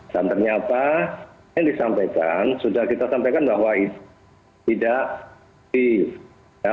dan ternyata yang disampaikan sudah kita sampaikan bahwa itu tidak ada